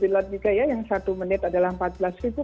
lot juga ya yang satu menit adalah empat belas ribu